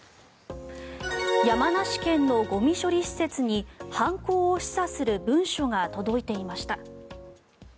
山梨県のゴミ処理施設に犯行を示唆する文書が届いていました。